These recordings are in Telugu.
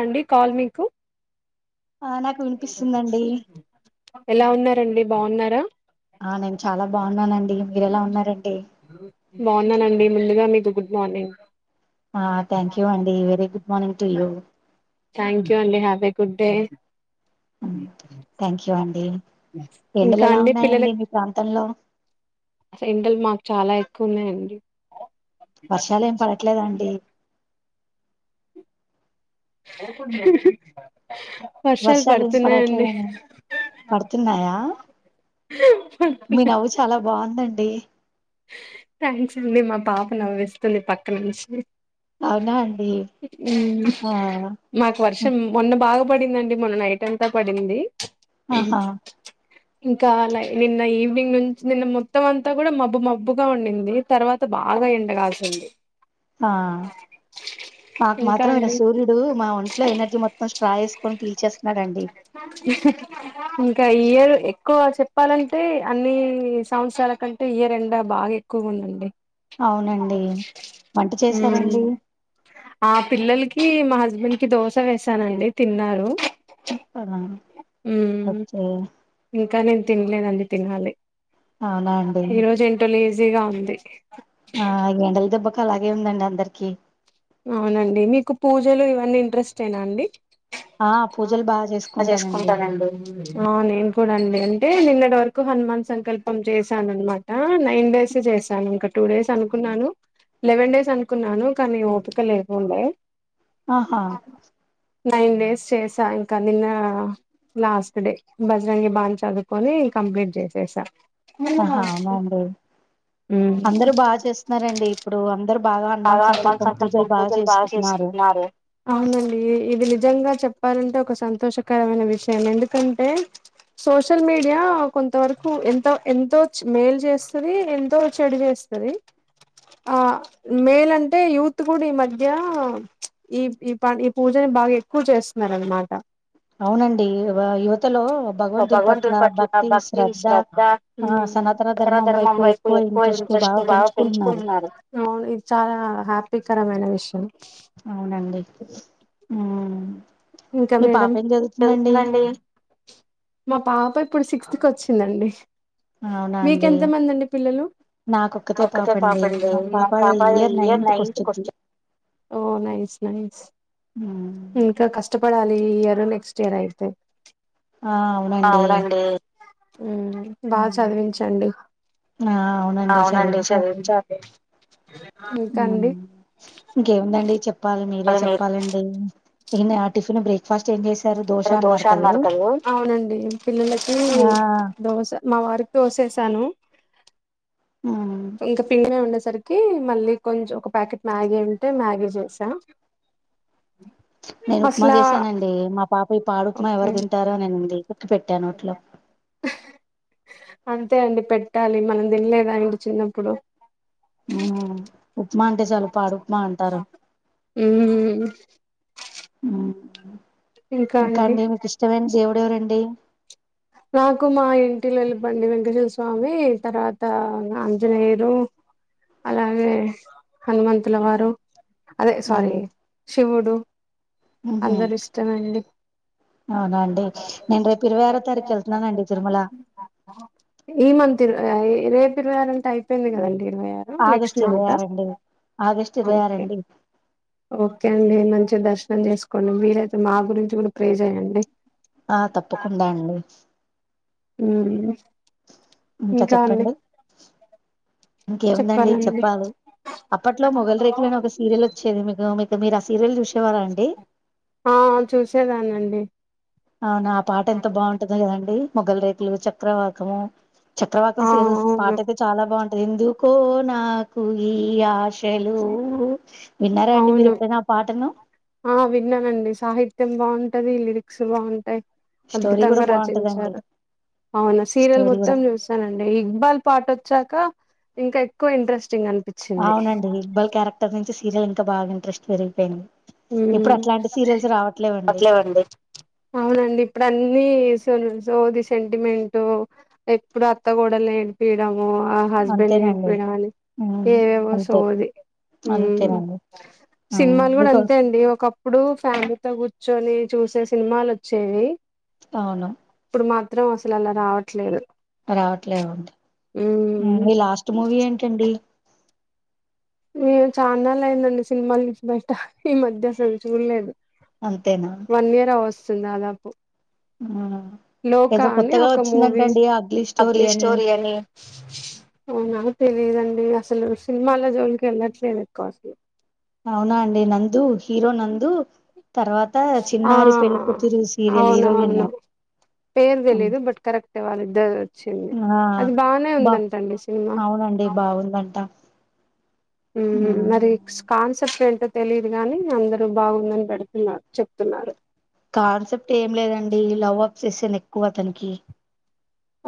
అండి కాల్ మీకు ఆ నక్ ఎలా ఉన్నారండి బావున్నారా ఆ నేను చాలా బాగున్నానండి మీరెలా ఉన్నారండి బాగున్నానండి మెల్లిగా మీకు గుడ్ మార్నింగ్ అ థథాంక్యూ అండి very good morning to you thank you అండి happy good day thank you అండి ఎండలు ఇంకా ఎలా అండి పిల్లల ఉన్నాయండి మీ ప్రాంతంలో సెంట్రల్ మాకు చాలా ఎక్కువ ఉన్నాయండి వర్షాలు ఏం పడట్లేదండి వర్షాలు ఏం పడుతున్నాయండి పడట్లేదని పడుతున్నాయా మీ నవ్వు చాలా బాగుందండి థ్యాంక్స్ అండి మా పాప నవ్విస్తుంది పక్క నుంచి అవునా అండి ఇం ఆ మాకు వర్షం మొన్న బాగా పడిందండి మొన్న నైట్ంతా పడింది ఆహా ఇంకా అలా నిన్న ఈవినింగ్ నుంచి నిన్న మొత్తం అంతా కూడా మబ్బు మ మబ్బుగా ఉండింది తర్వాత బాగా ఎండగాల్సింది ఆ మాకు ఇంకా మాత్రం ఇడా అండి సూర్యుడ్ ఇప్పుడు మా ఒంట్లో ఎనర్జీ మొత్తం స్ట్రా చేసుకొని పిలిచేస్తుారండి ఇ ఇంకా ఇ ఇయర్ ఎక్కువ చెప్పాలంటే అన్ని సంవత్సరాల కంటే ఇయర్ ఎంండ బాగా ఎ ఎక్కువ ఉండండి అవునండి వంట చేశారండి ఆ పిల్లలకి మా హస్బెండ్ కి దోశ వేసానండి తిన్నారు ముప్పద ఉం ఇంకా నేను తినలేదండి తినాలి అవునా అండి ఈ రోజు ఏంటో లేజీగా ఉంది ఆ ఇగ ఇందాల దెబ్బకు అలాగే ఉందండి అందరికి అవునండి మీకు పూజలు ఇవన్నీ ఇంట్రెస్ట్ ఎనా అండి ఆ పూజలు బాగా అలా చేసుకుంటానండి ఆ నేను కూడా అండి అంటే నిన్నటి వరకు హనుమాన్ సంకల్పం చేశానమాట అ నైన్ డేస్ చేశాను ఇంకా టూ డేస్ అనుకున్నాను లెవెన్ డేస్ అనుకున్నాను కానీ ఓపీక లేకుండే ఆహా నైన్ డేస్ చేసా ఇంకా నిన్న లాస్ట్ డే బజ్రాంగి బాని చదువుకొని కంప్లీట్ చేసేసాం ఆహ అవునండి అందరుూ బాగా చేస్తున్నారండి ఇప్పుడు అందరు బాగా హనుమాన్ సంకల్పం పూజలు బాగా చేసుకుంటున్నారు అవునండి ఇది నిజంగా చెప్పాలంటే ఒక సంతోషకరమైన విషయం ఎందుకంటే సోషల్ మీడియా కొంత వరకు ఎంతో ఎంతో మేల్ చేస్తది ఎంతో చెడు వేస్తది ఆ మేయిల్ అంటే యూత్ కూడా ఈ మధ్య ఈ ఈ ప ఈ పూజని బాగా ఎక్కువ చేస్తున్నారు అనమాట అవునండి యువ యువతలో భగవంతుడి పట్ల భక్తి శ్రద్ధ ఆ సనాతన ధర్మం సర్వధర్మం వైపు వై ఎక్కువ ఇంట్రెస్ట్ బాగా పెంచుకుంటున్నారు పెంచుకుంటున్నాను అవును ఇది చాలా హ్యాపీకరమైన విషయం అవునండి ఆ ఇంకా మేడం జరుగుతదండి మా పాప ఇప్పుడు సిక్స్త్ కి వచ్చిందండి అవునా అండి మీకెంత మంది అండి పిల్లలు ఒక్కతే పాప అండి మా పాప ఇయర్ నైన్త్ కి వస్త ఓ నైస్ నైస్ ఉమ్ ఉ ఎంత కష్టపడాలి ఈ ఇయర్ నెక్స్ట్ ఇయర్ అయితే ఆ అవునండి ఉ బాగా చదివించండి ఆ అవునండి చదివించారు ఇంకా అండి ఇంకేముందండి చెప్పాలి మీరే చెప్పాలి అండి నేనా ఆ టిఫిన్ బ్రేక్ఫస్ట్ ఏం చేసి ఎరు దోశ అన్నారు కదా ఆ మా వారికి దోశ వేసాను ఆ కొంత పిండినె ఉండె సార్కి కి మళ్ళీ కొంచం ఒక ప్యాకెట్ మ్యాగీ ఉంటే మ్యాగీ చేసా నేను ఉప్మా అసలా చేశానండి మా పాప ఈ పాడు ఉప్మా ఓకే ఎవరు తింటారు అని అనింది ఉక్కి పెట్టాను నోట్లో అంతే అండి పెట్టాలి మనం తినలేదా అండి చిన్నప్పుడు ఉప్మా అంటే చాలు పాడు ఉప్మా అంటారు మ్మ్ ఇంకా అండి మీకు ఇష్టమైన దేవుడు ఎవరండి నాకు మా ఇంటిలో వెళ్ళిపండి వెంకటేశ్వర స్వామి తర్వాత ఆంజనేయురు అలాగే హనుమంతుల వారు అదే స్వారీ శివుడు ఉహు అందరు ఇష్టం అండి అవునా అండి నేను రేపు ఇరువై ఆరో తారీఖు వెళ్తున్నాన్ అండి తిరుమల ఈ మంత్ ఇరవై రేపు ఇరవై ఆరు అంటే అయిపోయింది కదండి ఇరవై ఆరు నెక్స్ట్ ఆగస్ట్ ఇరవై మంతా ఆరు అండి ఆగస్ట్ ఇరవై ఆరు ఓకే అండి ఓకే అండి మంచిగా దర్శనం చేసుకోండి మీరైతే మా గురించి కూడ ప్రే చేయం్యడి ఆ తప్పకుండ అండి ఉమ్ ఇంక ఇంకా అండి చెప్పండి ఇంకేముందండి చెప్పాలండి చెప్పాలి అప్పట్లో మొగలు రేకులు ఆనే ఒక సీరియల్ వచ్చేది మీకు మీ మీర్ ఆ సీరియల్ చూసి ఆ చూసేదాన్ని అండి అవునా ఆ పాట ఎంత బాగుంటది కదండి మొగల రేకులు చక్రవాకము చక్రవాకం ఆ పాట అవును అయితే చాలా బాగుంటది హిందూ కో నాకు ఈ ఆశలు విన్నారా అండి మీరు అవును ఎప్పుడైనా పాటను ఆ విన్నానండి సాహిత్యం బాగుంటది లిరిక్స్ బాగుంటాయి స్టోరీ కూడా అద్భుతంగా బాగుంటదండి రచించారు అవునా సీరియల్ స్టోరీ కూడా మొత్తం చూసా నండి ఇక్బాల్ పాట వచ్చాక ఇంకా ఎక్కువ ఇంట్రెస్టింగ్ అనిపిస్తుంది అవునండి ఇక్బల్ క్యారెక్టర్ నుంచి సీరియల్ ఇంకా బాగ ఇంట్రెస్ట్ పెరిగిపోయింది ఇప్పుడు ఉమ్ అట్లాంటి సీరియల్స్ రావట్లేవండి అట్లేవండి అవునండి ఇప్పుడు అన్ని స సోది సెంటిమెంట్ ఎప్పుడు అత్తకోడళ్లను ఏడ్పియడము హస్బెండ్ ని ఏడ్పి అంతేనండి యడము ఉమ్ ఏవె వో అంతే సోది ఉమ్మ్ అంతేనండి అవును సినిమాల కూడా మీకు అంతే అండి ఒకప్పుడు ఫ్యామిలీతో కూర్చొని చూసే సినిమాలు వచ్చేవి అవును ఇప్పుడు మాత్రం అసలు అలా రావట్లేదు రావట్లేవండి ఉమ్. మీ లాస్ట్ మూవీ ఏంటండి మేము చాన్నాళ్లయిందండి సినిమాలు చూసి బయట ఈ మధ్యసలు చూడలేదు అంతేనా వన్ ఇయర్ అవోస్తుంది దాదాపు ఆ లోకా ఏదో అని కొత్తగా ఒక మూవీ వచ్చిందంటండి ఆ అగ్లీ స్టోరీ అని అవునా తెలిదండి అసలు సినిమాల జోలికి వెళ్ళట్లేదు ఎక్కువ అసలు అవునా అండి నందు హీరో నందు తర్వాత ఆ చిన్నారి పెళ్ళి కూతురు సీరియల్ హీరోయిన్ అవునవును పేరు హ్మ్. తెలియదు బట్ కరెక్టే వాళ్ళిద్దరు వచ్చింది ఆ అది బాగానే బా ఉందంటండి సినిమా అవునండి బాగుందంటా ఉమ్ మరి కాన్సెప్ట్ ఏంటో తెలియదు గాని అందరు బాగుందని పెడుతున్నారు చెప్తున్నారు కాన్సెప్ట్ ఏం లేదండి లవ్ అప్స్ చేసాను ఎక్కువ అతనికి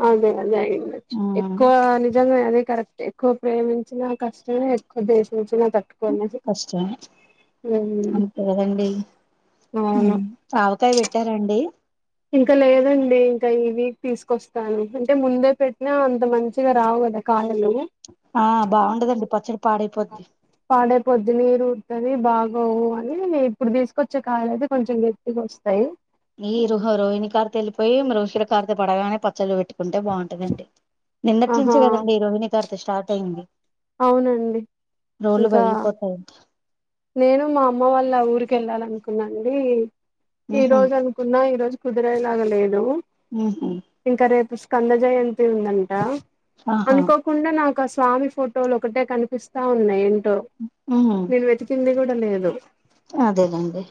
అదే అదే అయ్యుండొచ్చు హ్మ్. ఎక్కువ నిజంగా అదే కరెక్ట్ హే ఎక్కువ ప్రేమించిన కష్టమే ద్వేషించిన తట్టుకునే కష్టమే అంతే కదండి అవును ఆవకాయ పెట్టారండి ఇంకా లేదండి ఇంకా ఈ వీక్ తీసుకొస్తాను అంటే ముందే పెట్టినా అంత మంచిగా రావు కదా కాడాలు ఆ బాగుండదండి పచ్చడి పాడైపోద్ది పాడైపోద్ది నీరు ఊరుతది బాగోవు అని ఇప్పుడు తీసుకొచ్చే కాయలు అయితే కొంచెం గట్టిగా వస్తాయి ఈ రుహ రోహి కార్తీకం వెళ్ళియి రోహిల కారితో పడగానే పచ్చళ్లు పెట్టుకుంటే నిన్నట్ ఆహా నుంచి కదండి ఈ రోహిణీ కర్త స్టార్ట్ అయ్యింది అవునండి ఇంకా పగిలిపోతాయంట నేను మా అమ్మ వాళ్ళ ఊరికి వెళ్ళాలనుకున్నాండి ఈ ఉహు రోజు కున్నా ఈ రోజు కుదిరేలాగా లేదు ఉహు ఇంకా రేపు స్కంద జయంతి ఉందంట ఆహా అనుకోకుండా నాకు ఆ స్వామి ఫోటోలు ఒకటే కనిపిస్తా ఉన్నాయి ఏంటో నేను వెతికింది కూడా లేదు అదేనండి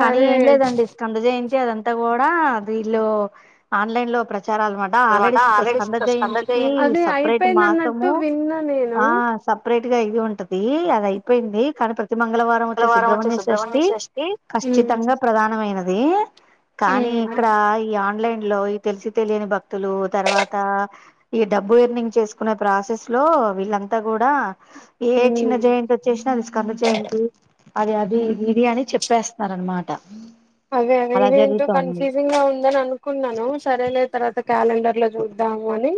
కానీ ఏం లేదండి కంద జయంతి అదంతా కూడా ఇల్ళ ఆన్లైన్ లో ప్రచారాలు అ ఆల్రెడీ స్కంద జయంతికి అది సపరేట్ అయిపోయింది అన్నట్టు మాసము విన్నా నేను ఆ సపరేట్ గా అయిది ఉంటది అది అయిపోయింది కానీ ప్రతి మంగళవారం వచ్చే సుబ్రహ్మణ్య షష్ఠి ఉమ్ కఖచ్చితంగా ప్రధానమైనది కానీ ఇక్కడ ఈ ఆన్లైన్ లో తెలిసి తెలియని భక్తులు తర్వాత ఈ డబ్బు ఇర్నింగ్ చేసుకునే ప్రాసెస్ లో వీళ్ళంతా కూడా ఏ చిన్న ఉమ్ జయంతి చేసిన అది స్కంద చేయండి అది అది ఇది అని చెప్పేస్తున్నారనమాట అదే అదే ఇదేంటో కన్ఫ్యూజింగ్ గా ఉందని అనుకున్నాను సరే లే తర్వాత క్యాలెండర్ లో చూద్దాము అని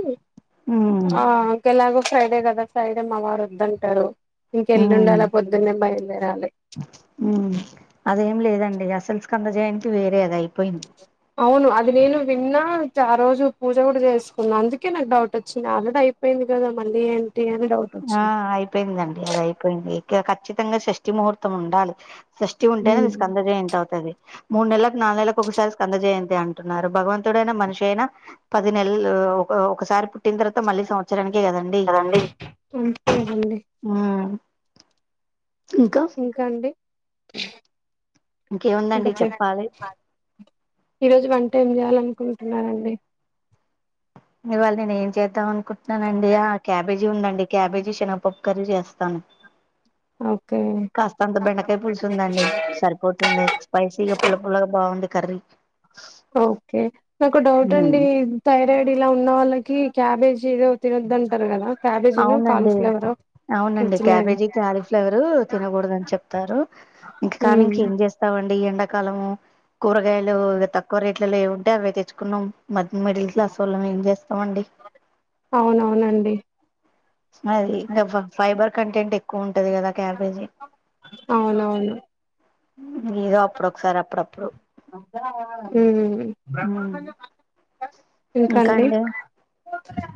ఉమ్ ఇంకే ఎలాగో ఫ్రైడే కదా ఫ్రైడే మా వారు వద్దంటారు ఎల్లుండి ఆడ పొద్దున్నే బయలుదేరాలే ఉ అదేం లేదండి అసల్స్ కంద జయంతి వేరే అది అయిపోయింది అవును అది నేను విన్నా ఆ రోజు పూజ కూడా చేసుకున్నాను అందుకే నాకు డౌట్ వచ్చింది ఆల్రెడీ అయి అపోయింది కదా మళ్ళీ ఏంటి అని డౌట్ ఆ వచ్చింది అయిపోయిందండి అది అయిపోయింది ఇక ఖచ్చితంగా షష్టి ముహూర్తం ఉండాలి సషష్టి ఉంటేనే మీ ఉమ్. స్కంద జయంతి అవుతది మూడు నెలలకు నాలుగు నెలలకు ఒకసారి స్కంద జయంతి అంటున్నారు భగవంతుడైన మనిషి అయినా పది నెలలు ఒక ఒకసారి పుట్టిన తర్వాత మళ్ళీ సంవత్సరానికే కదండి డి ఒకే అండి ఆ ఇంకా ఇంకా అండి ఇంకా ఇంకేముందండి చె చెప్పాలి ఈ రోజు వంట ఏం చేయాలనుకుంటున్నారండి ఇవాళ నీను ఏం చేద్దాం అనుకుంటునా చేస్తానండి ఆ క్యాబేజీ ఉందండి క్యాబేజీ శనగాపప్పు కర్రీ చేస్తాను ఓకే కాస్త అంత బెండకాయ పులుసు ఉందండి సరిపోతుంది స్పైసీగా పుల్ల పుల్లగా బాగుంది కర్రీ ఓకే నాకు డౌట్ అండి థైరాయిడ్ ఇలా ఉన్న వాళ్ళకి క్యాబేజీ ఏదో తినదుంటారు కదా క్యాబేజీ కాల్ అవునండి ఫ్లేవరో అవునండి క్యాబేజీ కాలీఫ్లవరు తినకూడదు అని చెప్తారు ఇంక కానీ ఉమ్, ఇంకేం చేస్తరు వస్తావండి ఎండాకాలము కూరగాయలు తక్కువ రేట్లలో ఏ ఉంటే అవి తెచ్చుకున్నాం మధ్య మిడిల్ క్లాస్ వాళ్ల మేం చేస్తామండి అవునవునండి అది ఇంకా ఫైబర్ కంటెంట్ ఎక్కువ ఉంటది కదా క్యాబేజీ అవునవును ఏదో అప్పుడు ఒకసారి అప్పుడప్పుడు హ్మ్. ఇంకా అండి మూడు వందలు కదనే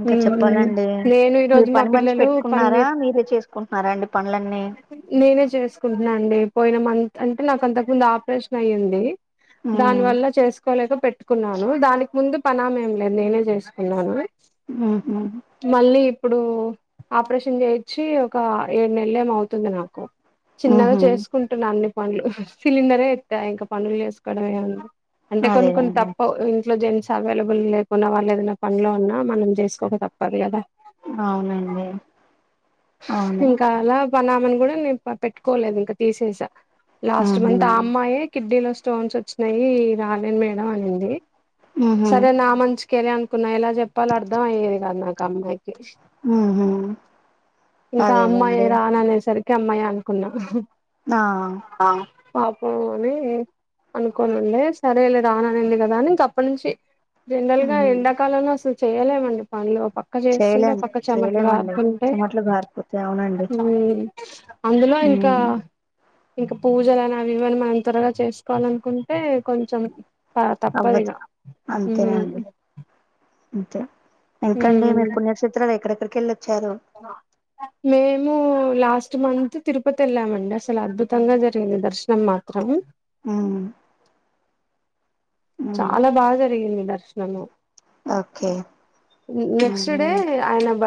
ఇంకా చెప్పాలండి మీరు పని మనిషి పిల్లలు పెట్టుకున్నారా పన్నీర్ మీరే చే ఒక్క రెండు పనులన్నీ నీనే చేసుకుంటున్నా అండి పోయిన మంత్ అంటే నాకు అంతకు ముందు ఆపరేషన్ అయ్యింది దాని వల్ల చేసుకోలేక పెట్టుకున్నాను దానికి ముందు పనామే ఏం లేదు నీనే చేసుకున్నాను ఉహు మళ్ళీ ఇప్పుడు ఆపరేషన్ చేయిచ్చి ఒక ఏడు నెలలు ఏమో అవుతుంది నాకు చిన్నగా ఉహు చేసుకుంటున్నా అన్ని పనులు సిలిండరే ఎస్తా ఇంక పనులు చేసుకోవడమే ఉంది అంటే కొన్ని కొన్ని అదేనండి తప్పవ్ ఇంట్లో జన్స అవైలబుల్ లేకున్నా వాళ్ళు ఏదైనా పనిలో ఉన్నా మనం చేసుకోక తప్పిదు కదా అవునండి అవును ఇంకా అలా పనామెను కూడా నేను పెట్టుకోలేదు ఇంకా తీసేసా లాస్ట్ మంత్ ఆ ఉహు అమ్మాయి కిడ్నీలో స్టోన్స్ వచ్చినాయి రాలేను మేడం అనింది ఉహు సరే నా మంచికెలే అనుకున్న ఎలా చెప్పాలో అర్థం అయ్యేది కదు నాకు అమ్మాయికి ఉహు అదేముంది అని అనేసరికి అమ్మాయి అనుకున్నా ఆహా ఆ పాపం ఆమె అనుకోనిండడి సరే లే రాననింది కదా అని ఇంక అప్పటి నుంచి జనరల్ గా ఉమ్ ఎండాకాలంలో అసలు చేయలేమండి పనులో పక్ పక్క చేస్తుండే చేయలేం పక్క చేయలేమండి చెమట్లుగారుతుంటే చెమట్లు గారిపోతే అవునండి హ్మ్ అందులో ఇంకా ఉమ్ ఇంకా పూజలు అని అవి ఇవన్నీ మనం త్వరగా చేసుకోవాలనుకుంటే కొంచెం అలాతప్పదిగ అవ్వదు అంతేనండి అంతే ఇంకండి మీ పుణ్యక్షేత్రాలు ఎక్కడెక్కడికెళ్ళి వచ్చారు అ మేము లాస్ట్ మంత్ తిరుపతి వెళ్ళామండి అసలు అద్భుతంగా జరిగింది దర్శనం మాత్రం హ్మ్ ఉమ్ చాలా బాగా జరిగింది దర్శనము ఓకే నెక్స్ట్ డే ఉమ్ ఆయన బ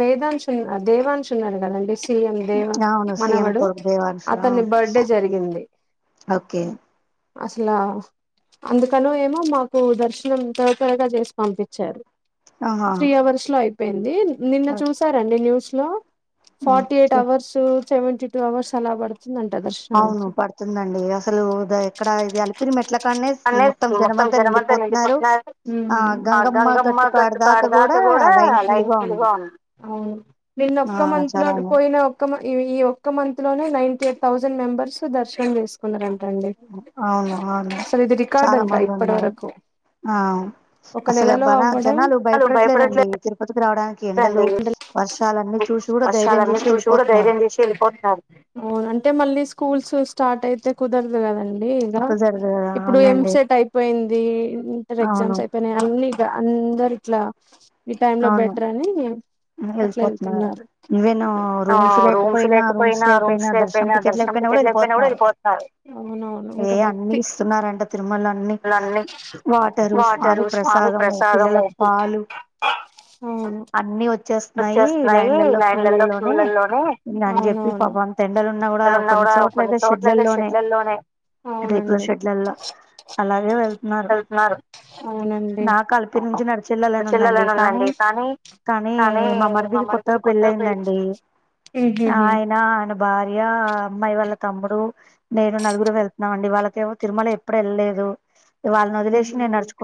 వేదాంశ ఉన్న దేవాన్శ ఉన్నారు కదండి సీఎం ది అవును సీఎం మనవడు కొడుకు దేవాన్ష్ ఆ అతన్ని బర్త్డే జరిగింది ఓకే అసలా అందుకని ఏమో మాకు దర్శనం త్వర త్వరగా చేసి పంపించారు ఆహా త్రీ అవర్స్ లో అయిపోయింది నిన్న చూసారండి న్యూస్ లో ఉమ్ forty eight hours seventy two hours అలా పడుతుంది [unintelligible] అవును పడుతుందండి అసలు ఎక్కడ ఇది అలిపిరి మెట్ల కానే మొత్తం జనమంతా నిండిపోతున్నారు ఆ గంగమ్మ గట్ ఆడదాకా కూడా లైన్ ఫుల్ గా ఉంది అవు నిన్న ఆ ఒక్క మంత్ లో చాలా అవును పోయిన ఈ ఒక్క మంత్ లోనే నైన్టీ ఎయిట్ థౌసండ్ మెంబర్స్ దర్శనం చేసు కున్నారంటండి అవును అసలు ఇది రికార్డు చాలా అంట మంది ఇప్పటి ఉన్నారు వరకు ఆ ఒక అసలు నెలలో బనా అవ్వడం జనాలు భయపడట్లేరండి తిరుపతికి రావడానికి ఎండలు వర్షాలన్నీ చూసి కూడా ధైర్యం చేసి వెళ్ళిపోతున్నారు అవును అంటే మళ్ళీ స్కూల్స్ స్టార్ట్ అయితే కుదరదు కదండి కుదరదు కదా. ఇప్పుడు ఎం అవునండి సెట్ అయిపోయింది ఇంటర్ అవును ఎగ్జామ్స్ అయిపోయి మళ్ళీ ఇగ అందరు ఇట్లా ఈ టైం లో అవును బెటర్ అని అట్లా వెళుతున్నారు రూమ్స్ లేకపోయినా రూమ్స్ లే పోయినా దర్శనం టికెట్లు అయిపోయినా కూడా వెళ్ళిపోతున్నారు అవునవును ఇంకా ఏ అన్ని భక్తి ఇస్తున్నారంట తిరుమల అన్ని లన్నీ వాటరు స్వామి ప్రసాదము పిల్లలకు ప్రసాదముకి పాలు అన్ని వచ్చేస్త వన్నాయి లైన్లలో క్యూ లలోనే అని చెప్పి అవునవును పాపం అంత ఎండలు ఉన్నా కూడా కొన్ని చో అలాగే షెడ్లల్లోనే రేకుల అవునండి షెడ్లల్లో అలాగే వెళ్తున్నారు అవునండి నా కల్ ఇక్కడ నుంచి నడిచి వెళ్ళాలనిఉందండి ఉందండి కానీ కానీ మా మరిదికి కొత్తగా పెళ్ళయిందండి ఉహుహు ఆయన భార్య ఆ అమ్మాయి వాళ్ళ తమ్ముడు నేను నలుగురు వెళ్తున్నాం అండి వాళ్ళకేవ తిరుమల ఎప్పుడ వెళ్ళలేదు వాళ్ళని వదిలేసి నేను ఉమ్ నడుచుకు